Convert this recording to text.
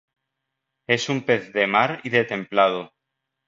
Es un pez de mar y de templado.